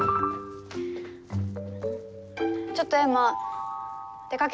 ちょっとエマ出かけてくる。